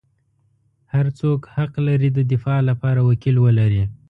هر څوک حق لري د دفاع لپاره وکیل ولري.